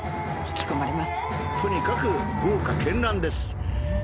とにかく豪華絢爛です。